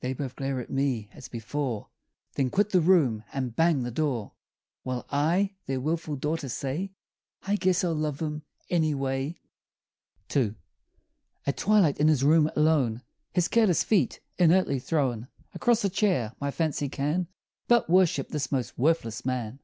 They both glare at me as before Then quit the room and bang the door, While I, their willful daughter, say, "I guess I'll love him, anyway!" II. At twilight, in his room, alone, His careless feet inertly thrown Across a chair, my fancy can But worship this most worthless man!